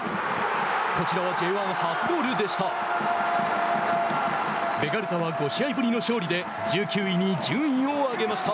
こちらはＪ１初ゴールでした。